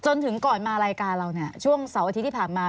จนถึงก่อนมารายการเราเนี่ยช่วงเสาร์อาทิตย์ที่ผ่านมา